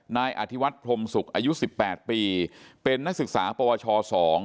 นายอธิวัฒน์พรมศุกร์อายุสิบแปดปีเป็นนักศึกษาปวชสอง